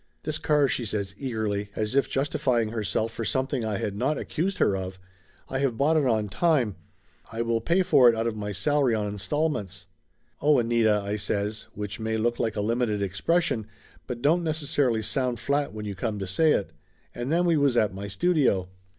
"This car," she says eagerly, as if justifying herself for something I had not accused her of "I have bought it on time. I will pay for it out of my salary on installments." "Oh, Anita!" I says, which may look like a limited expression but don't necessarily sound flat when you come to say it. And then we was at my studio.